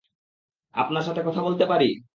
আপনার সাথে কথা বলতে পারি?